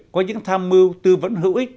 có những tham mưu tư vấn hữu ích